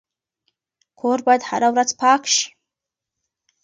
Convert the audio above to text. کور باید هره ورځ پاک شي.